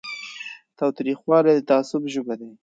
تاوتریخوالی د تعصب ژبه ده